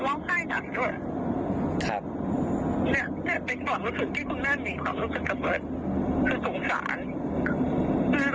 ลืมพยายามลืมพยายามหาโน่นานที่ทำเนี่ย